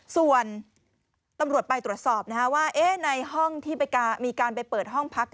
ส่วนตำรวจไปตรวจสอบว่าในห้องที่มีการไปเปิดห้องพัก